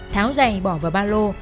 tháo giày bỏ vào ba lô